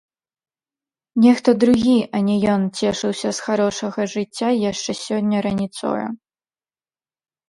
Нехта другі, а не ён цешыўся з харошага жыцця яшчэ сёння раніцою.